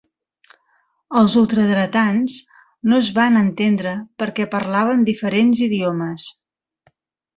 Els ultradretans no es van entendre perquè parlaven diferents idiomes